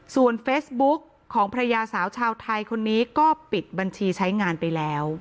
ส่วนเฟซบุ๊กของภรรยาสาวชาวไทยคนนี้ก็ปิดบัญชีใช้งานไปแล้ว